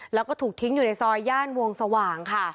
แล้วก็ถูกทิ้งอยู่ในซอยย่านวงสว่างค่ะ